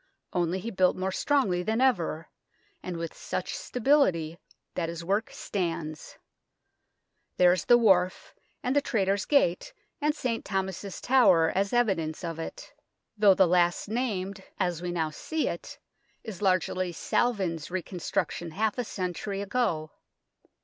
Only he built more strongly than ever, and with such stability that his work stands ; there is the Wharf and the Traitors' Gate and St. Thomas's Tower as evidence of it, though the last named as we THE TRAITORS' GATE 53 now see it is largely Salvin's reconstruction half a century ago.